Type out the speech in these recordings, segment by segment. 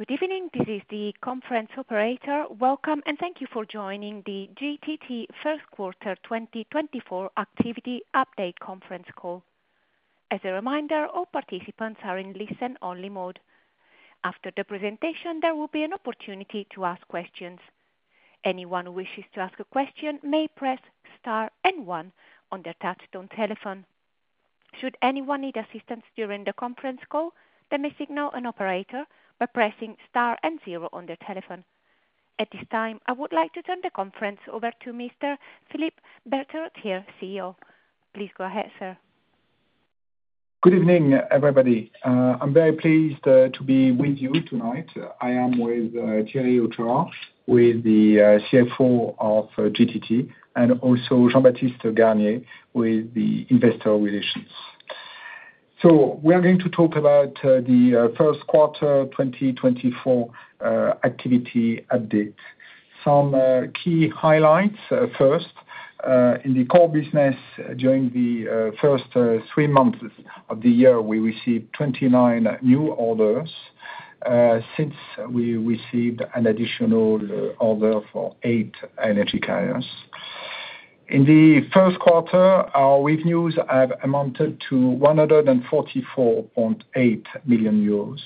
Good evening, this is the conference operator. Welcome, and thank you for joining the GTT first quarter 2024 activity update conference call. As a reminder, all participants are in listen-only mode. After the presentation, there will be an opportunity to ask questions. Anyone who wishes to ask a question may press star and one on their touchtone telephone. Should anyone need assistance during the conference call, they may signal an operator by pressing star and zero on their telephone. At this time, I would like to turn the conference over to Mr. Philippe Berterottière, CEO. Please go ahead, sir. Good evening, everybody. I'm very pleased to be with you tonight. I am with Thierry Hochoa, with the CFO of GTT, and also Jean-Baptiste Garnier, with Investor Relations. So we are going to talk about the first quarter 2024 activity update. Some key highlights, first, in the core business during the first three months of the year, we received 29 new orders. Since we received an additional order for eight LNG carriers. In the first quarter, our revenues have amounted to 144.8 million euros,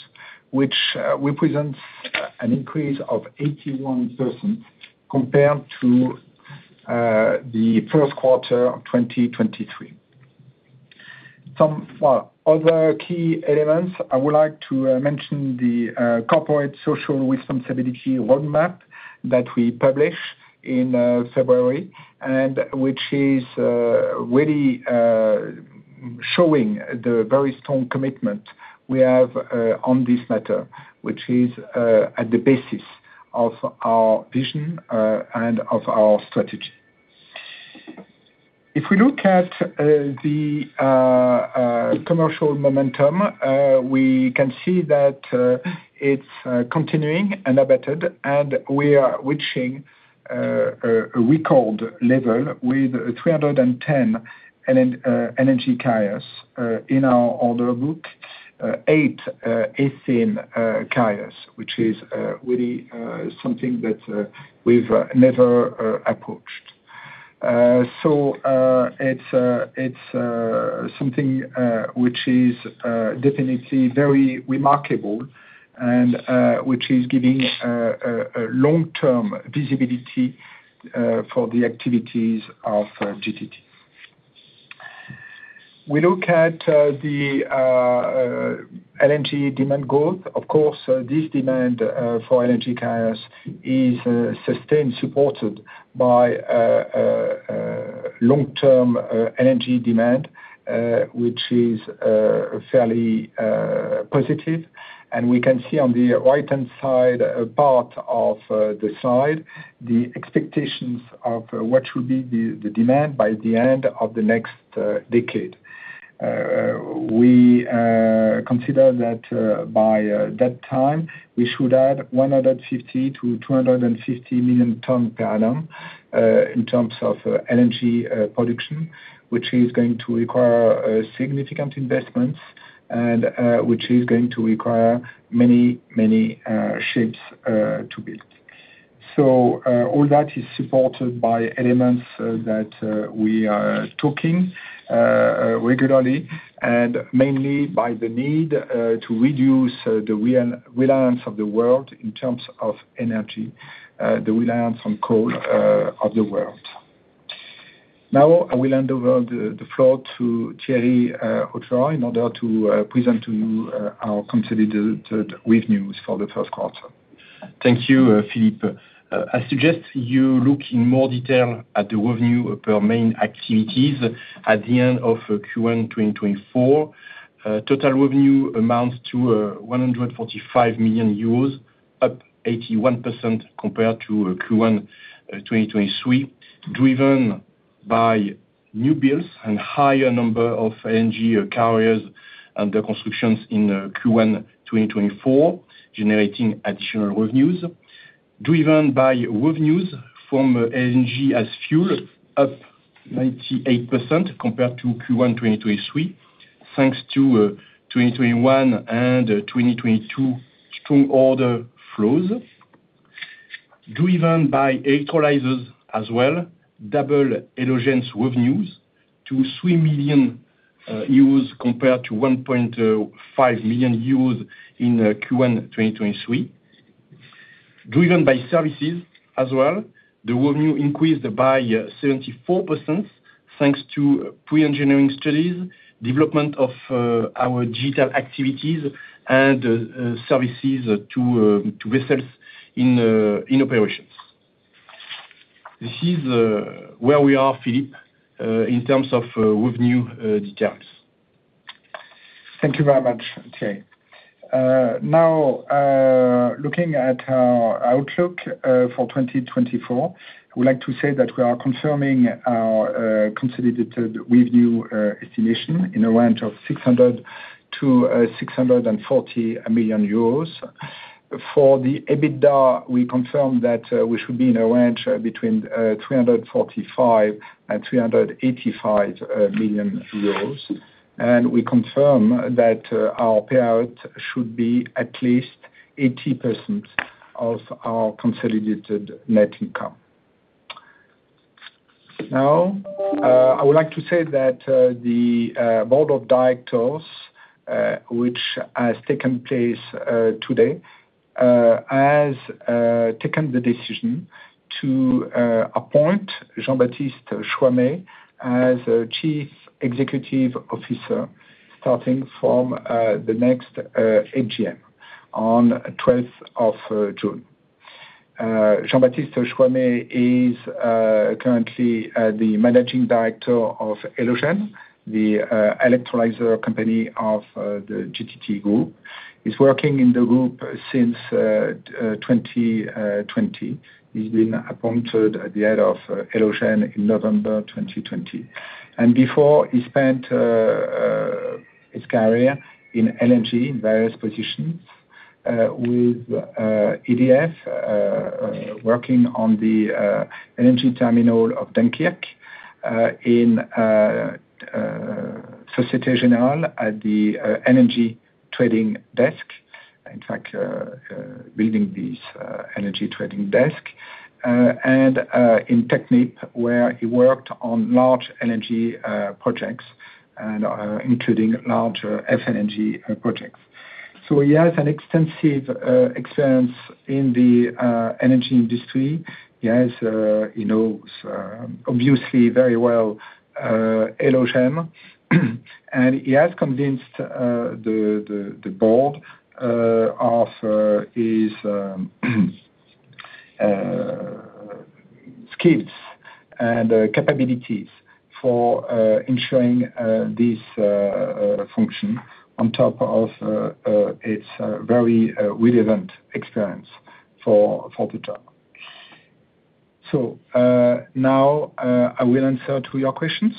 which represents an increase of 81% compared to the first quarter of 2023. Some other key elements, I would like to mention the corporate social responsibility roadmap that we published in February, and which is really showing the very strong commitment we have on this matter, which is at the basis of our vision and of our strategy. If we look at the commercial momentum, we can see that it's continuing unabated, and we are reaching a record level with 310 LNG carriers in our order book. 8 LNG carriers, which is really something that we've never approached. So, it's something which is definitely very remarkable and which is giving a long-term visibility for the activities of GTT. We look at the LNG demand growth. Of course, this demand for LNG carriers is sustained, supported by long-term LNG demand, which is fairly positive. We can see on the right-hand side, a part of the slide, the expectations of what should be the demand by the end of the next decade. We consider that, by that time, we should add 150-250 million tons per annum, in terms of LNG production, which is going to require significant investments and which is going to require many, many ships to build. So, all that is supported by elements that we are talking regularly, and mainly by the need to reduce the reliance of the world in terms of energy, the reliance on coal of the world. Now, I will hand over the floor to Thierry Hochoa, in order to present to you our consolidated revenues for the first quarter. Thank you, Philippe. I suggest you look in more detail at the revenue per our main activities at the end of Q1 2024. Total revenue amounts to 145 million euros, up 81% compared to Q1 2023, driven by new builds and higher number of LNG carriers, and the constructions in Q1 2024, generating additional revenues. Driven by revenues from LNG as fuel, up 98% compared to Q1 2023, thanks to 2021 and 2022 strong order flows. Driven by electrolyzers as well, double hydrogen revenues to 3 million euros compared to 1.5 million euros in Q1 2023. Driven by services as well, the revenue increased by 74%, thanks to pre-engineering studies, development of our digital activities, and services to vessels in operations. This is where we are, Philippe, in terms of revenue details. Thank you very much, Thierry. Now, looking at our outlook for 2024, I would like to say that we are confirming our consolidated revenue estimation in a range of 600-640 million euros. For the EBITDA, we confirm that we should be in a range between 345-385 million euros. And we confirm that our payout should be at least 80% of our consolidated net income. Now, I would like to say that the board of directors, which has taken place today, has taken the decision to appoint Jean-Baptiste Choimet as Chief Executive Officer, starting from the next AGM on 12th of June. Jean-Baptiste Choimet is currently the Managing Director of Elogen, the electrolyzer company of the GTT group. He's working in the group since 2020. He's been appointed the head of Elogen in November 2020. Before, he spent his career in LNG in various positions with EDF, working on the LNG terminal of Dunkirk, in Société Générale at the LNG trading desk. In fact, leading this LNG trading desk. And in Technip, where he worked on large LNG projects and including large FLNG projects. He has an extensive experience in the energy industry. He has, he knows obviously very well Elogen, and he has convinced the board of his skills and capabilities for ensuring this function on top of his very relevant experience for the job. So, now, I will answer to your questions.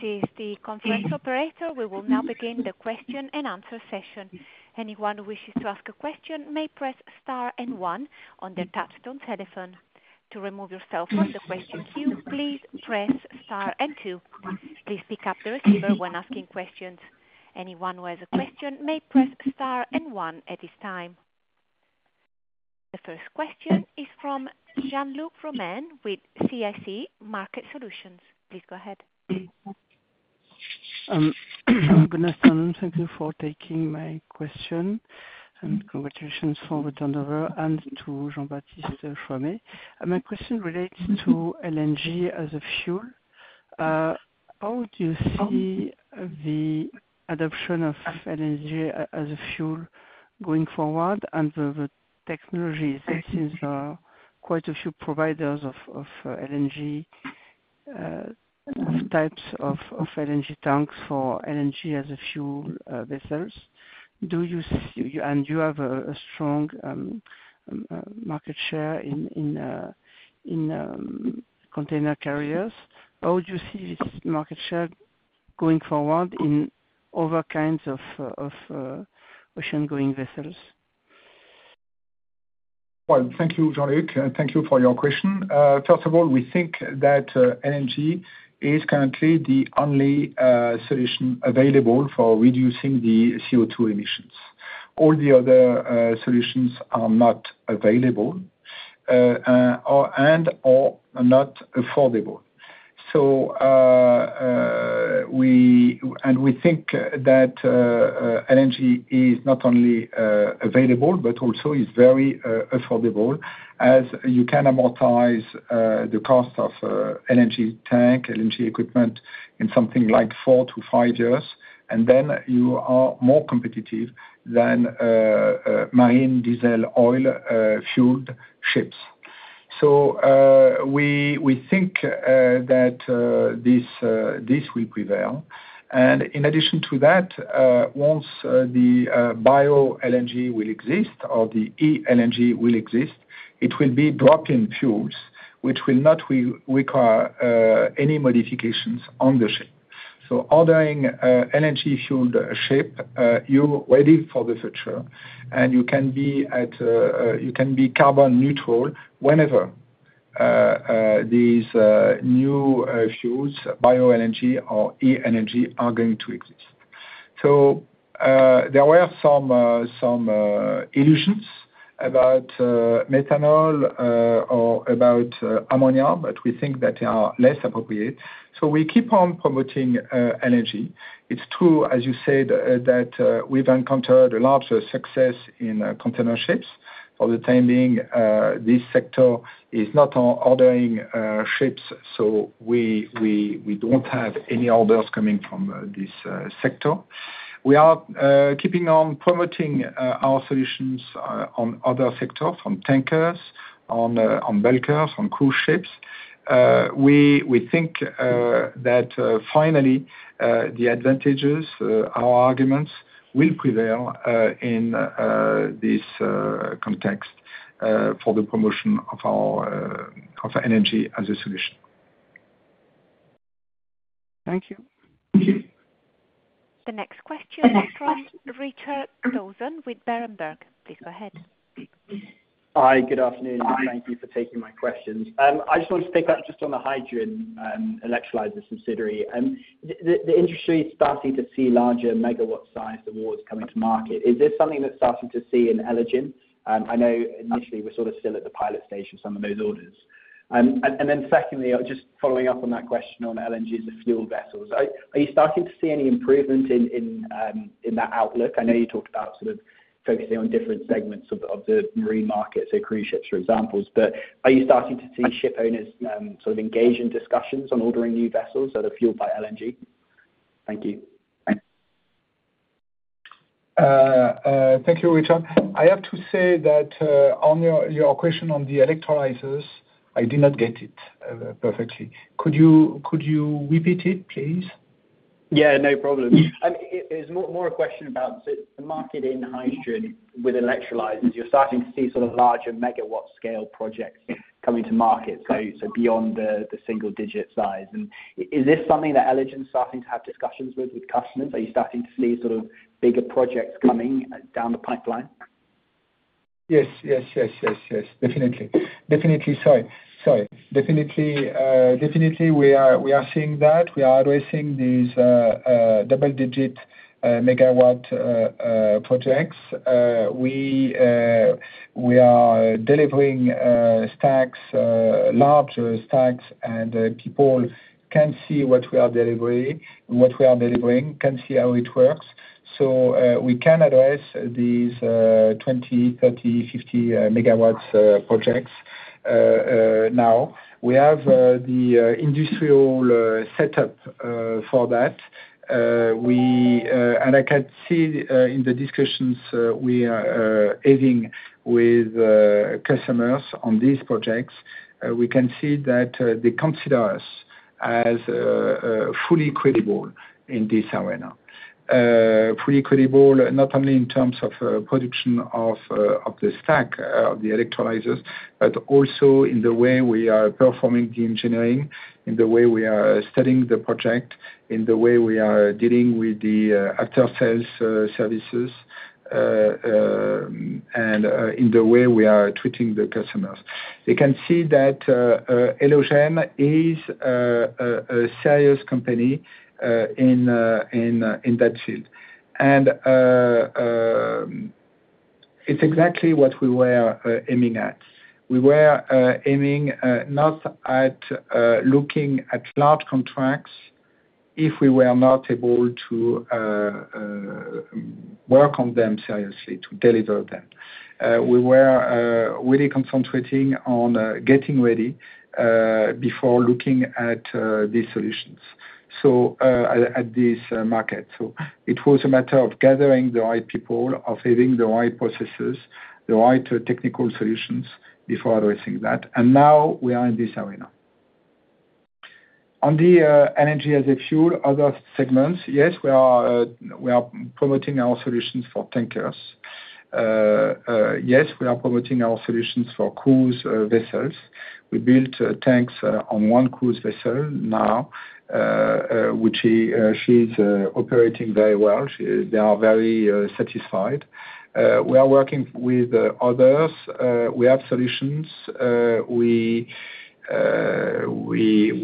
This is the conference operator. We will now begin the question and answer session. Anyone who wishes to ask a question may press star and one on their touchtone telephone. To remove yourself from the question queue, please press star and two. Please pick up the receiver when asking questions. Anyone who has a question may press star and one at this time. The first question is from Jean-Luc Romain with CIC Market Solutions. Please go ahead. Good afternoon. Thank you for taking my question, and congratulations for the turnover and to Jean-Baptiste Choimet. My question relates to LNG as a fuel. How would you see the adoption of LNG as a fuel going forward, and the, the technologies? There seems quite a few providers of, of, LNG types of LNG tanks for LNG as a fuel vessels. Do you see... And you have a strong market share in container carriers. How would you see this market share going forward in other kinds of ongoing vessels? Well, thank you, Jean-Luc, and thank you for your question. First of all, we think that LNG is currently the only solution available for reducing the CO2 emissions. All the other solutions are not available or not affordable. So, we think that LNG is not only available, but also is very affordable, as you can amortize the cost of LNG tank, LNG equipment in something like 4-5 years, and then you are more competitive than marine diesel oil fueled ships. So, we think that this will prevail. And in addition to that, once the bio-LNG will exist or the e-LNG will exist, it will be drop-in fuels, which will not require any modifications on the ship. So ordering LNG-fueled ship, you're ready for the future, and you can be carbon neutral whenever these new fuels, Bio-LNG or e-LNG, are going to exist. So there were some illusions about methanol or about ammonia, but we think that they are less appropriate. So we keep on promoting LNG. It's true, as you said, that we've encountered a larger success in container ships. For the time being, this sector is not ordering ships, so we don't have any orders coming from this sector. We are keeping on promoting our solutions on other sectors, on tankers, on bulkers, on cruise ships. We think that finally the advantages our arguments will prevail in this context for the promotion of our of LNG as a solution. Thank you. Thank you.... The next question is from Richard Dawson with Berenberg. Please go ahead. Hi, good afternoon. Thank you for taking my questions. I just wanted to pick up just on the hydrogen, electrolyzer subsidiary. The industry is starting to see larger megawatt sized awards coming to market. Is this something that's starting to see in Elogen? I know initially we're sort of still at the pilot stage of some of those orders. And then secondly, just following up on that question on LNG as a fuel vessels, are you starting to see any improvement in that outlook? I know you talked about sort of focusing on different segments of the marine market, so cruise ships, for example. But are you starting to see ship owners sort of engage in discussions on ordering new vessels that are fueled by LNG? Thank you. Thank you, Richard. I have to say that on your question on the electrolyzers, I did not get it perfectly. Could you repeat it, please? Yeah, no problem. It's more a question about the market in hydrogen with electrolyzers. You're starting to see sort of larger megawatt scale projects coming to market, so beyond the single digit size. And is this something that Elogen's starting to have discussions with customers? Are you starting to see sort of bigger projects coming down the pipeline? Yes, yes, yes, yes, yes, definitely. Definitely. Sorry, sorry. Definitely, definitely we are, we are seeing that. We are addressing these, double-digit megawatt projects. We, we are delivering, stacks, larger stacks, and, people can see what we are delivering, what we are delivering, can see how it works. So, we can address these, 20, 30, 50 megawatts projects. Now, we have, the, industrial setup, for that. We, and I can see, in the discussions, we are, having with, customers on these projects, we can see that, they consider us as, fully credible in this arena. Fully credible, not only in terms of production of the stack, the electrolyzers, but also in the way we are performing the engineering, in the way we are studying the project, in the way we are dealing with the after sales services, and in the way we are treating the customers. They can see that Elogen is a serious company in that field. And it's exactly what we were aiming at. We were aiming not at looking at large contracts if we were not able to work on them seriously to deliver them. We were really concentrating on getting ready before looking at these solutions, so at this market. So it was a matter of gathering the right people, of having the right processes, the right technical solutions before addressing that. And now we are in this arena. On the LNG as a fuel, other segments, yes, we are promoting our solutions for tankers. Yes, we are promoting our solutions for cruise vessels. We built tanks on one cruise vessel now, which she's operating very well. They are very satisfied. We are working with others. We have solutions. We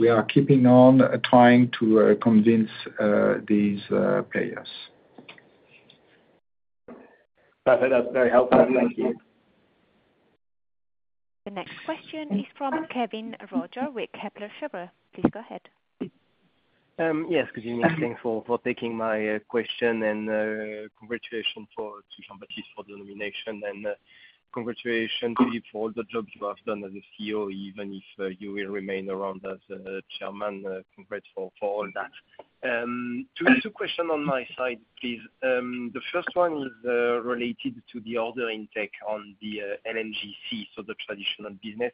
are keeping on trying to convince these players. Perfect. That's very helpful. Thank you. The next question is from Kevin Roger with Kepler Cheuvreux. Please go ahead. Yes, good evening. Thanks for taking my question, and congratulations to Jean-Baptiste for the nomination, and congratulations to you for all the job you have done as a CEO, even if you will remain around as chairman. Congrats for all that. Two little question on my side, please. The first one is related to the order intake on the LNGC, so the traditional business.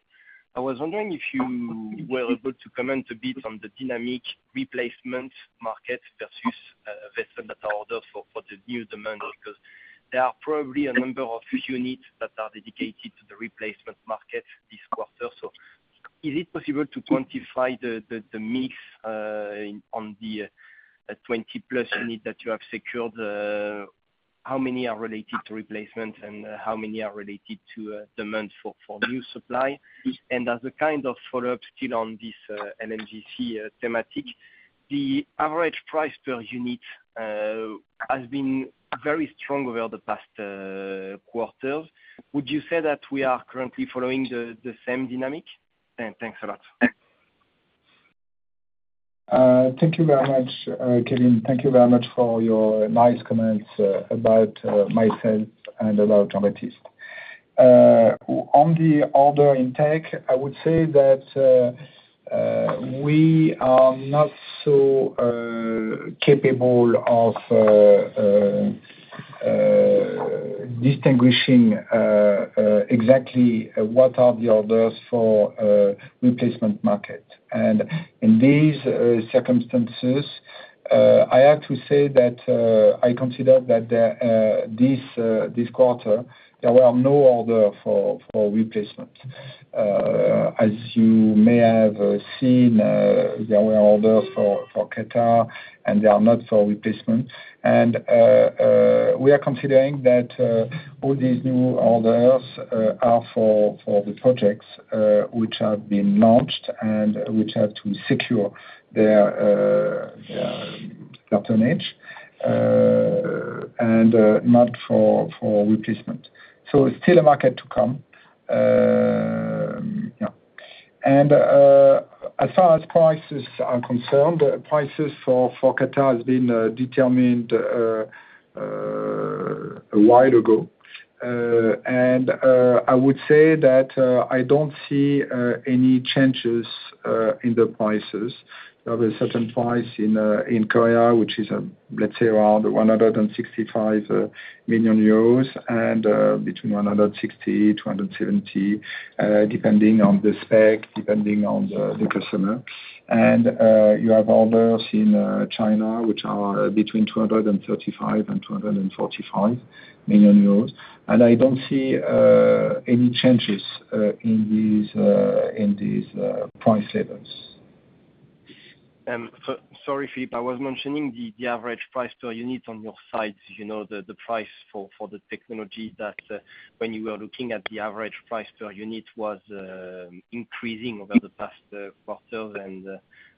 I was wondering if you were able to comment a bit on the dynamic replacement market versus vessel that order for the new demand? Because there are probably a number of units that are dedicated to the replacement market this quarter. So is it possible to quantify the mix on the 20+ unit that you have secured? How many are related to replacement, and how many are related to demand for new supply? And as a kind of follow-up, still on this LNGC thematic, the average price per unit has been very strong over the past quarters. Would you say that we are currently following the same dynamic? And thanks a lot. Thank you very much, Kevin. Thank you very much for your nice comments about myself and about Jean-Baptiste. On the order intake, I would say that we are not so capable of distinguishing exactly what are the orders for replacement market. In these circumstances, I have to say that I consider that this quarter there were no order for replacement. As you may have seen, there were orders for Qatar, and they are not for replacement. We are considering that all these new orders are for the projects which have been launched and which have to secure their tonnage, and not for replacement. So still a market to come. Yeah. As far as prices are concerned, prices for Qatar has been determined a while ago. I would say that I don't see any changes in the prices. There is a certain price in Korea, which is, let's say, around 165 million euros, and between 160 million and 270 million, depending on the spec, depending on the customer. You have orders in China, which are between 235 million and 245 million euros. I don't see any changes in these price levels. So sorry, Philippe. I was mentioning the average price per unit on your sides. You know, the price for the technology that when you were looking at the average price per unit was increasing over the past quarter and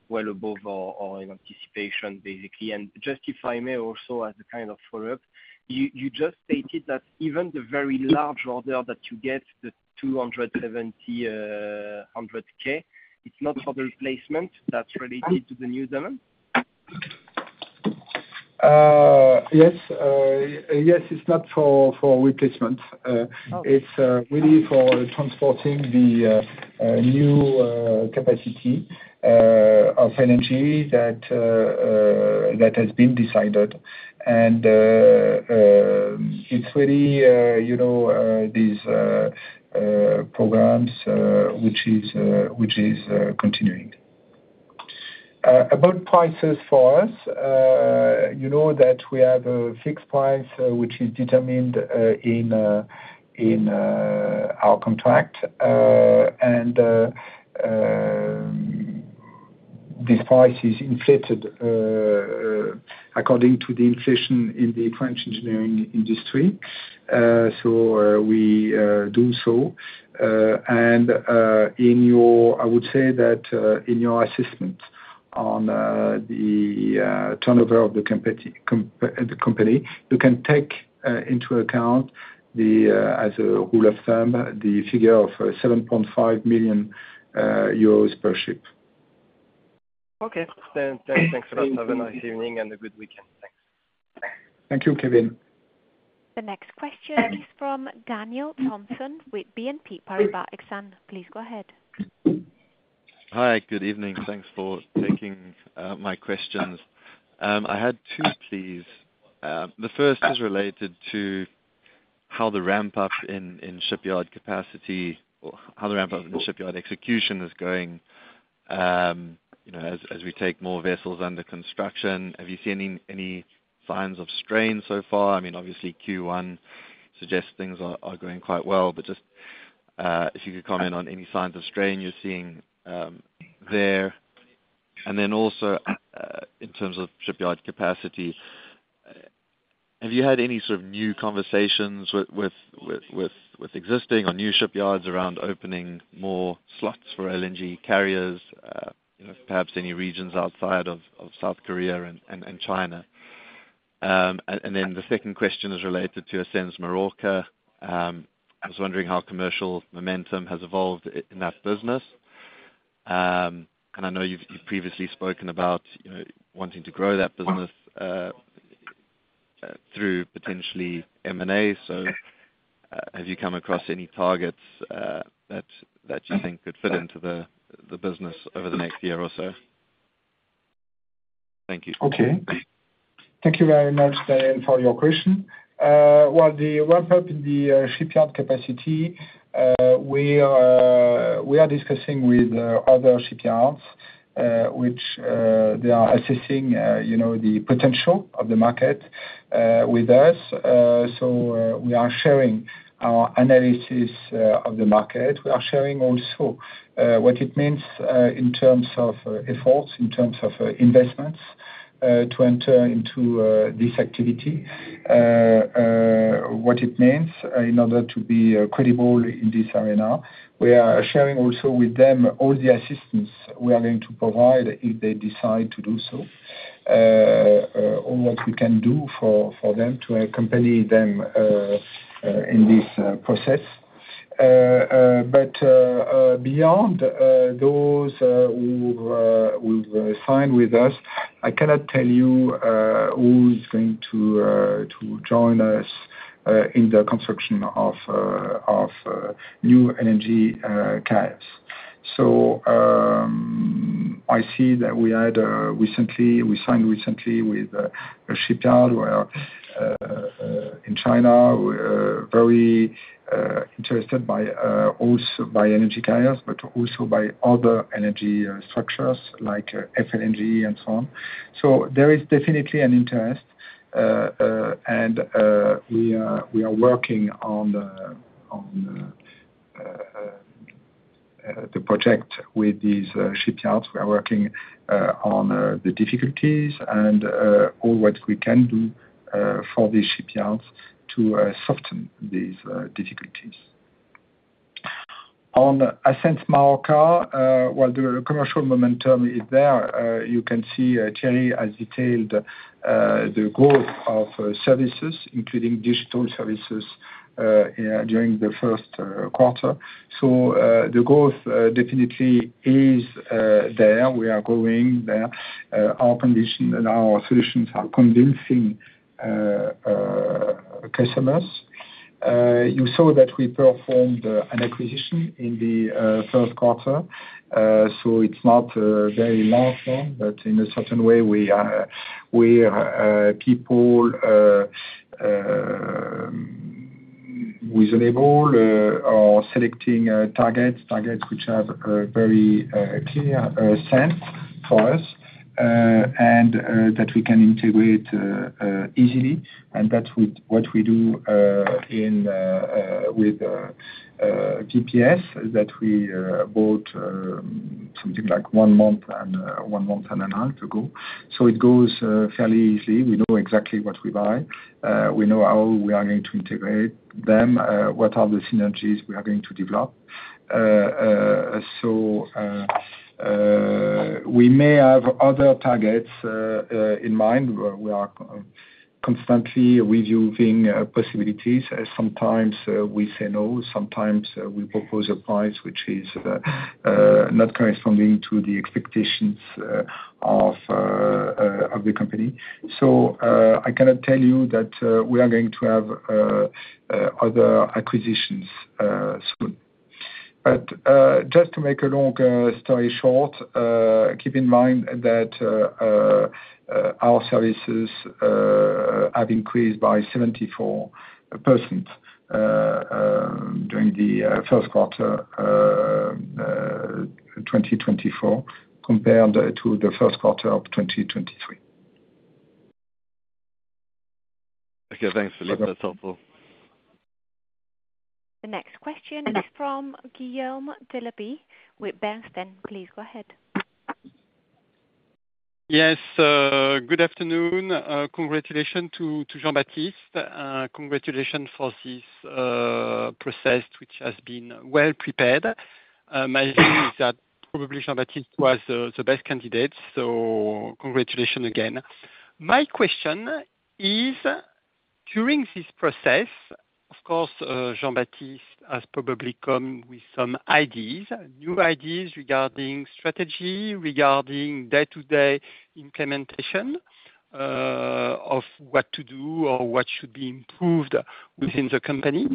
well above our anticipation, basically. And just if I may, also, as a kind of follow-up, you just stated that even the very large order that you get, the 270,000, it's not for the replacement that's related to the new demand? Yes. Yes, it's not for replacement. Okay. It's really for transporting the new capacity of energy that has been decided. And it's really, you know, these programs which is continuing. About prices for us, you know, that we have a fixed price which is determined in our contract. And this price is inflated according to the inflation in the French engineering industry. So, we do so. And in your -- I would say that in your assessment on the turnover of the company, you can take into account, as a rule of thumb, the figure of 7.5 million euros per ship. Okay. Then, thanks, thanks a lot. Thank you. Have a nice evening and a good weekend. Thanks. Thank you, Kevin. The next question is from Daniel Thomson with BNP Paribas Exane. Please go ahead. Hi, good evening. Thanks for taking my questions. I had two, please. The first is related to how the ramp up in shipyard capacity or how the ramp up in the shipyard execution is going, you know, as we take more vessels under construction. Have you seen any signs of strain so far? I mean, obviously Q1 suggests things are going quite well, but just if you could comment on any signs of strain you're seeing there. And then also in terms of shipyard capacity, have you had any sort of new conversations with existing or new shipyards around opening more slots for LNG carriers? You know, perhaps any regions outside of South Korea and China. And then the second question is related to Ascenz Marorka. I was wondering how commercial momentum has evolved in that business. And I know you've previously spoken about, you know, wanting to grow that business through potentially M&A. So, have you come across any targets that you think could fit into the business over the next year or so? Thank you. Okay. Thank you very much, Daniel, for your question. Well, the ramp up in the shipyard capacity, we are discussing with other shipyards, which they are assessing, you know, the potential of the market with us. So, we are sharing our analysis of the market. We are sharing also what it means in terms of efforts, in terms of investments to enter into this activity. What it means in order to be credible in this arena. We are sharing also with them all the assistance we are going to provide if they decide to do so. Or what we can do for them to accompany them in this process. But beyond those who signed with us, I cannot tell you who is going to join us in the construction of new LNG carriers. So, I see that we signed recently with a shipyard in China. We are very interested in energy carriers, but also in other energy structures, like FLNG and so on. So there is definitely an interest, and we are working on the project with these shipyards. We are working on the difficulties and all what we can do for these shipyards to soften these difficulties. On Ascenz Marorka, while the commercial momentum is there, you can see, Thierry has detailed the growth of services, including digital services, during the first quarter. So, the growth definitely is there. We are growing there. Our condition and our solutions are convincing customers. You saw that we performed an acquisition in the first quarter, so it's not very long term, but in a certain way, we are people with label are selecting targets, targets which have a very clear sense for us, and that we can integrate easily. And that's what we do in with VPS, that we bought something like one month and one month and a half ago. So it goes fairly easily. We know exactly what we buy. We know how we are going to integrate them, what are the synergies we are going to develop. So, we may have other targets in mind. We are constantly reviewing possibilities. Sometimes, we say no, sometimes, we propose a price which is not corresponding to the expectations of the company. So, I cannot tell you that we are going to have other acquisitions soon. But, just to make a long story short, keep in mind that our services have increased by 74% during the first quarter 2024, compared to the first quarter of 2023. Okay, thanks, Philippe. That's helpful. The next question is from Guillaume Delaby with Bernstein. Please go ahead. Yes, good afternoon. Congratulations to Jean-Baptiste. Congratulations for this process, which has been well prepared. My view is that probably Jean-Baptiste was the best candidate, so congratulations again. My question is, during this process, of course, Jean-Baptiste has probably come with some ideas, new ideas regarding strategy, regarding day-to-day implementation of what to do or what should be improved within the company.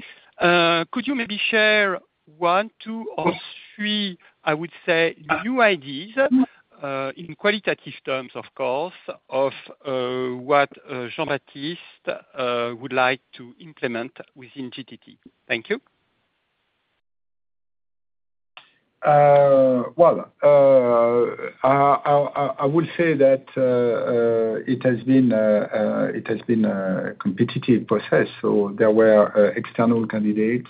Could you maybe share one, two, or three, I would say, new ideas in qualitative terms, of course, of what Jean-Baptiste would like to implement within GTT? Thank you. Well, I would say that it has been a competitive process, so there were external candidates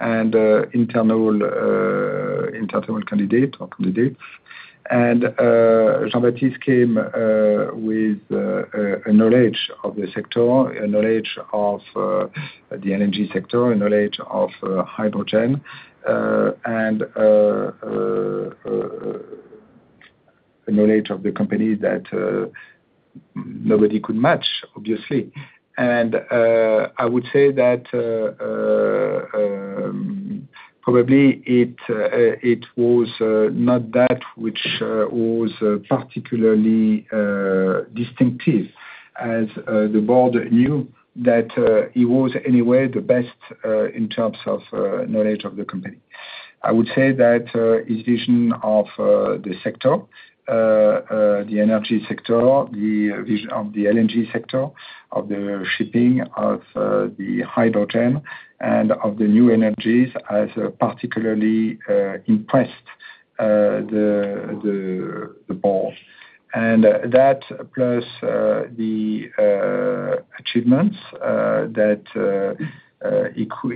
and internal candidate or candidates. And Jean-Baptiste came with a knowledge of the sector, a knowledge of the LNG sector, a knowledge of hydrogen, and a knowledge of the company that nobody could match, obviously. And I would say that probably it was not that which was particularly distinctive, as the board knew that he was anyway the best in terms of knowledge of the company. I would say that his vision of the energy sector, the vision of the LNG sector, of the shipping, of the hydrogen, and of the new energies has particularly impressed the board. And that, plus the achievements that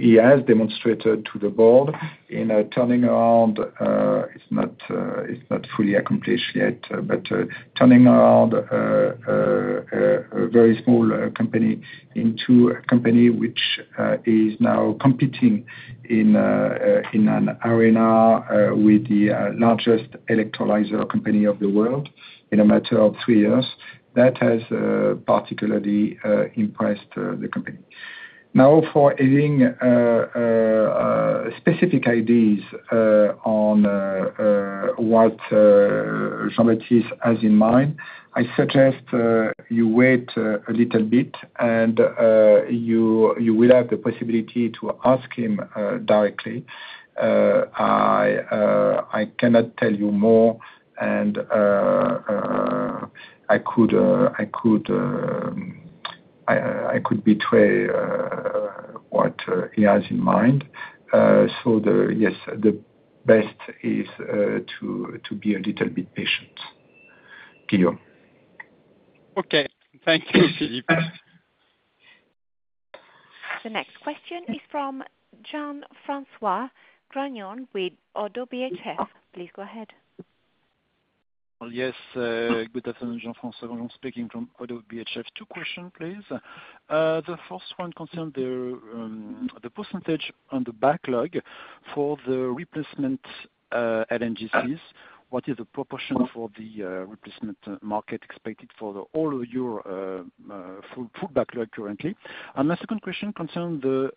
he has demonstrated to the board in turning around, it's not fully accomplished yet, but turning around a very small company into a company which is now competing in an arena with the largest electrolyzer company of the world in a matter of three years, that has particularly impressed the company. Now, for giving specific ideas on what Jean-Baptiste has in mind, I suggest you wait a little bit and you will have the possibility to ask him directly. I cannot tell you more, and I could betray what he has in mind. So yes, the best is to be a little bit patient. Guillaume? Okay, thank you, Philippe. The next question is from Jean-François Granjon with Oddo BHF. Please go ahead. Well, yes, good afternoon, Jean-François Granjon speaking from Oddo BHF. Two questions, please. The first one concerned the, the percentage on the backlog for the replacement, LNGs. What is the proportion for the, replacement market expected for all of your, for, for backlog currently? And my second question concerned the,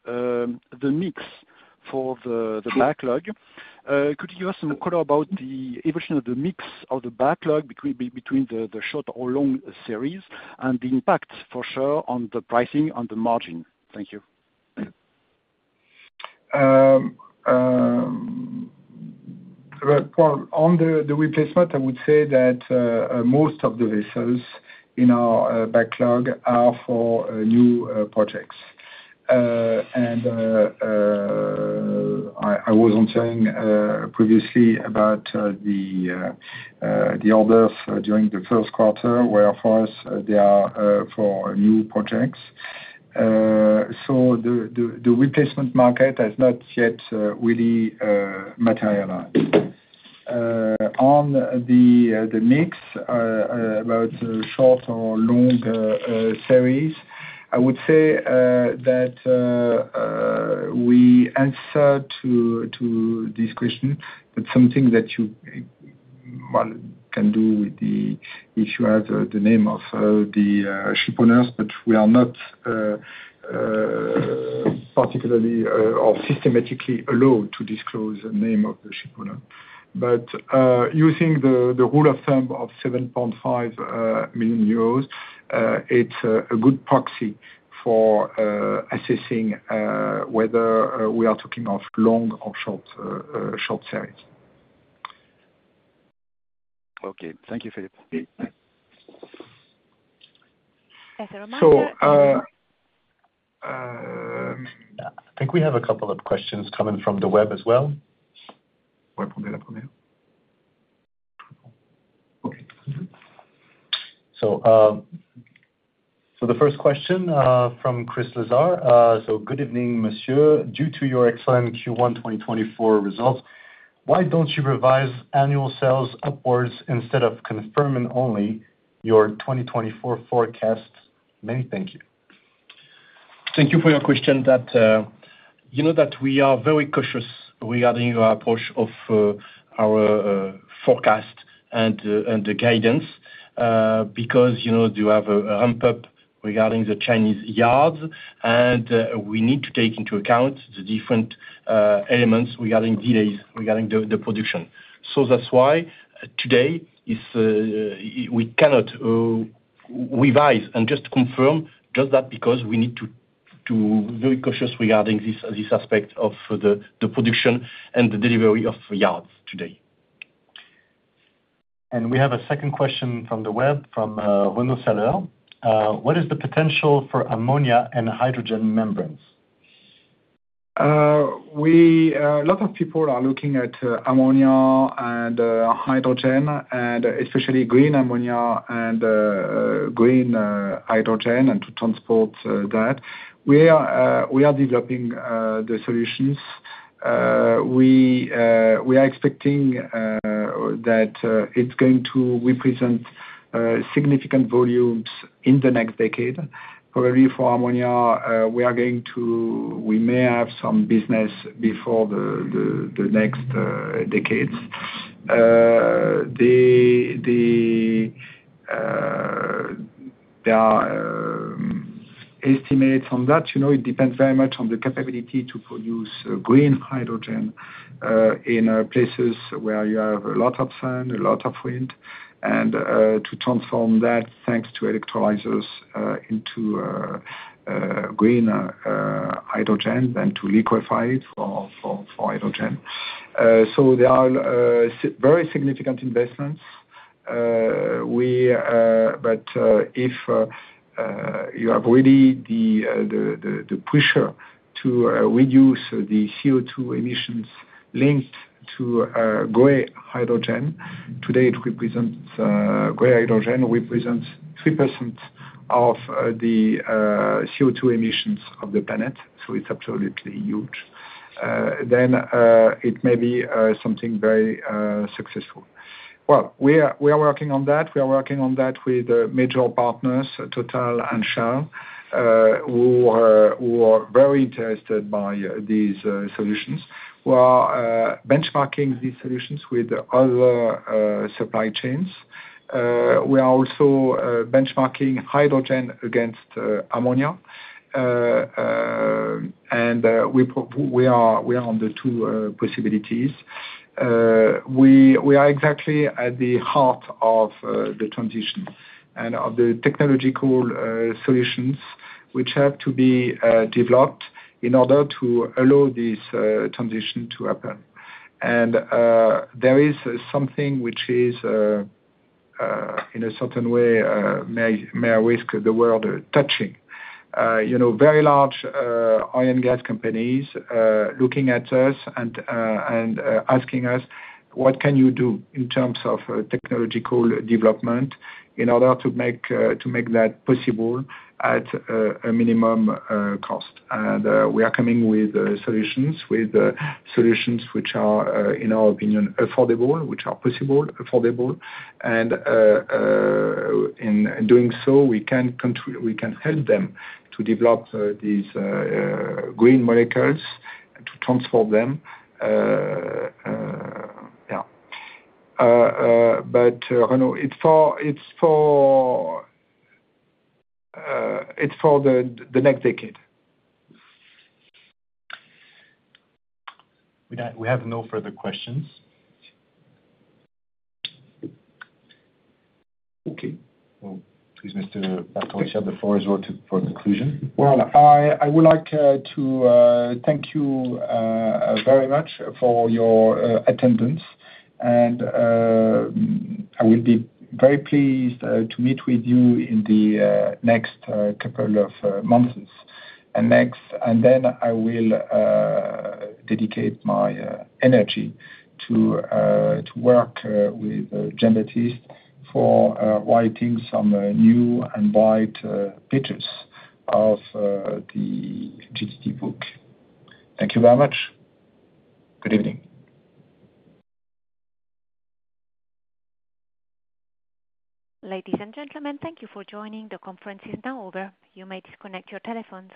the mix for the, the backlog. Could you give us some color about the evolution of the mix of the backlog between be- between the, the short or long series, and the impact for sure on the pricing on the margin? Thank you. Well, on the replacement, I would say that most of the vessels in our backlog are for new projects. And I was saying previously about the orders during the first quarter, where for us, they are for new projects. So the replacement market has not yet really materialized. On the mix about the short or long series, I would say that we answer to this question, but something that you, well, can do with the- if you have the name of the shipowners, but we are not particularly or systematically allowed to disclose the name of the shipowner. But, using the rule of thumb of 7.5 million euros, it's a good proxy for assessing whether we are talking of long or short series. Okay, thank you, Philippe. Thanks very much. So, uh, um- I think we have a couple of questions coming from the web as well. So, the first question from Chris Lazar. So good evening, monsieur. Due to your excellent Q1 2024 results, why don't you revise annual sales upwards instead of confirming only your 2024 forecast? Many thank you. Thank you for your question. That, you know that we are very cautious regarding our approach of our forecast and the guidance because, you know, you have a ramp up regarding the Chinese yards, and we need to take into account the different elements regarding delays, regarding the production. So that's why today we cannot revise and just confirm just that because we need to be very cautious regarding this aspect of the production and the delivery of yards today. We have a second question from the web, from Renaud Sailer. What is the potential for ammonia and hydrogen membranes? A lot of people are looking at ammonia and hydrogen, and especially green ammonia and green hydrogen, and to transport that. We are developing the solutions. We are expecting that it's going to represent significant volumes in the next decade. Probably for ammonia, we are going to. We may have some business before the next decades. There are estimates on that. You know, it depends very much on the capability to produce green hydrogen in places where you have a lot of sun, a lot of wind, and to transform that, thanks to electrolyzers, into green hydrogen, then to liquefy it for hydrogen. So there are very significant investments. But if you have really the pressure to reduce the CO2 emissions linked to gray hydrogen, today, gray hydrogen represents 3% of the CO2 emissions of the planet, so it's absolutely huge. Then it may be something very successful. Well, we are working on that. We are working on that with major partners, Total and Shell, who are very interested by these solutions. We are benchmarking these solutions with other supply chains. We are also benchmarking hydrogen against ammonia. And we are on the two possibilities. We are exactly at the heart of the transition and of the technological solutions, which have to be developed in order to allow this transition to happen. And there is something which is in a certain way, may I risk the word touching. You know, very large oil and gas companies looking at us and asking us: "What can you do in terms of technological development in order to make that possible at a minimum cost?" And we are coming with solutions, with solutions which are in our opinion, affordable, which are possible, affordable. And in doing so, we can help them to develop these green molecules to transform them, yeah. But no, it's for the next decade. We now have no further questions. Okay. Well, please, Mr. Berterottière, the floor is yours to, for conclusion. Well, I would like to thank you very much for your attendance. And I will be very pleased to meet with you in the next couple of months. And then I will dedicate my energy to work with Jean-Baptiste for writing some new and bright pictures of the GTT book. Thank you very much. Good evening. Ladies and gentlemen, thank you for joining. The conference is now over. You may disconnect your telephones.